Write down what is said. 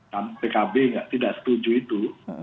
dan pkb tidak setuju itu